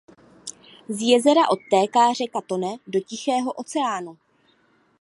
Z jezera odtéká řeka Tone do Tichého oceánu.